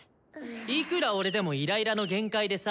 いくら俺でもイライラの限界でさ。